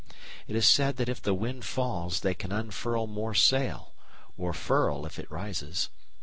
It is said that if the wind falls they can unfurl more sail, or furl if it rises.